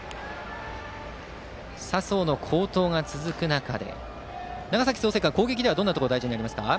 佐宗の好投が続く中長崎・創成館は攻撃では、どんなところ大事になってきますか？